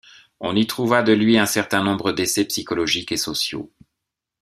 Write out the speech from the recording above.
On y trouva de lui un certain nombre d’essais psychologiques et sociaux.